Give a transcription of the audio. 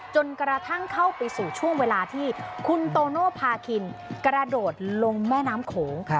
จนกระทั่งเข้าไปสู่ช่วงเวลาที่คุณโตโน่พาคินกระโดดลงแม่น้ำโขง